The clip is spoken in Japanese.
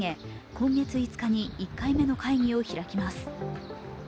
今月５日に１回目の会議を開きます。